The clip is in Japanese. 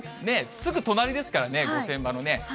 すぐ隣ですからね、御殿場のね。